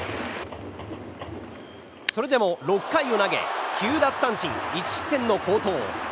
それでも６回を投げ９奪三振１失点の好投。